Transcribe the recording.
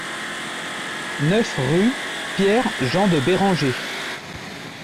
neuf rue Pierre Jean de Béranger